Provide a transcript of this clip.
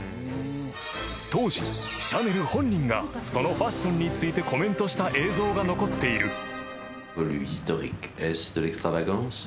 ［当時シャネル本人がそのファッションについてコメントした映像が残っている］